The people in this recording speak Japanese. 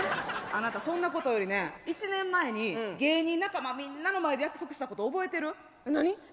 あなたそんなことよりね１年前に芸人仲間みんなの前で約束したこと覚えてる？何？